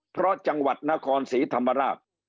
เพราะจังหวัดนครศรีธรรมราช